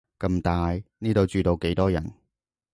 咁大，呢度住到幾多人